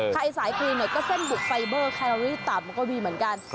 ถ้าไอ้สายครีมหน่อยก็เส้นหุบไฟเบอร์คาโรลีต่ำก็มีเหมือนกัน